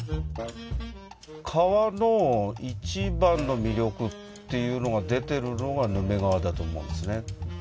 革の一番の魅力っていうのが出てるのがヌメ革だと思うんですね。